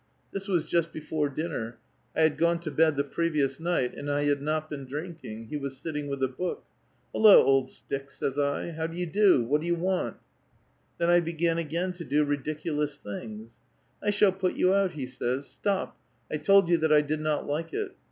* This was just t^efore dinner. 1 had gone to bed the previous night, and I ^ad not been drinking ; he was sitting with a book. ' Hullo, ^^^ stick,' savs I. ' How do vou do? What do vou want?' ^ neu I began again to do ridiculous things. ' I shall put y^u out,' he says ;' stop, I told you that I did not like it.